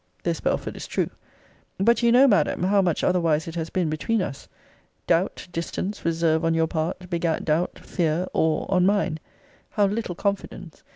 [This, Belford, is true.] But you know, Madam, how much otherwise it has been between us. Doubt, distance, reserve, on your part, begat doubt, fear, awe, on mine. How little confidence!